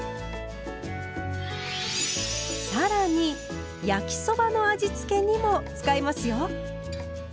更に焼きそばの味付けにも使えますよ。